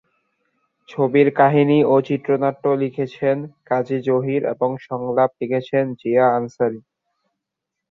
ছবির কাহিনী ও চিত্রনাট্য লিখেছেন কাজী জহির এবং সংলাপ লিখেছেন জিয়া আনসারী।